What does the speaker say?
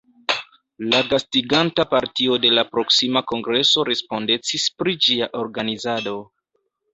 La gastiganta partio de la proksima kongreso respondecis pri ĝia organizado.